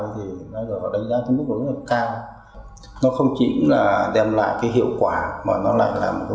thì đã được đánh giá đến mức ứng lực cao nó không chỉ là đem lại cái hiệu quả mà nó lại là một